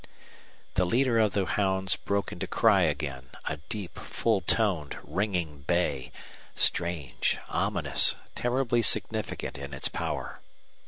The leader of the hounds broke into cry again, a deep, full toned, ringing bay, strange, ominous, terribly significant in its power.